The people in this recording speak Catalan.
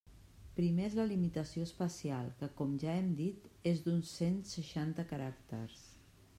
El primer és la limitació espacial que, com ja hem dit, és d'uns cent seixanta caràcters.